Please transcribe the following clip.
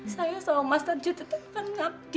saya sama mas tarjo tetapkan ngabdi ya